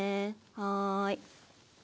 はい。